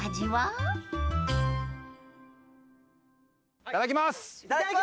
いただきます。